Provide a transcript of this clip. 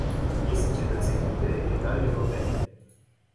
Ei sunt cetățeni liberi, egali europeni.